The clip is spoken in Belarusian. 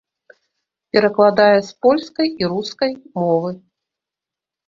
Перакладае з польскай і рускай мовы.